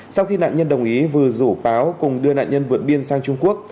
sau khi nạn nhân đồng ý vư rủ páo cùng đưa nạn nhân vượt biên sang trung quốc